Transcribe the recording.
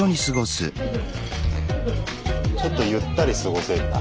ちょっとゆったり過ごせんだ。